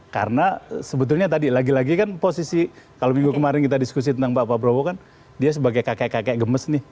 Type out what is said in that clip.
karena sebetulnya tadi lagi lagi kan posisi kalau minggu kemarin kita diskusi tentang pak prabowo kan dia sebagai kakek kakek gemes nih